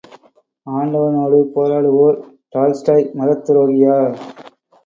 ஆண்டவனோடு போராடுவோர் டால்ஸ்டாய் மதத்துரோகியா?